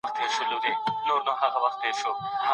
آيا له طلاق ورکوونکي څخه د اسبابو پوښتنه کيږي؟